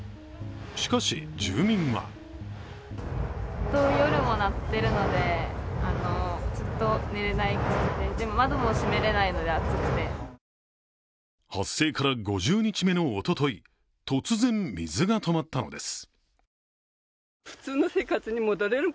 しかし住民は発生から５０日目のおととい、突然水が止まったのです。